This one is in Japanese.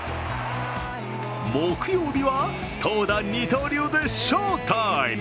木曜日は、投打二刀流で翔タイム。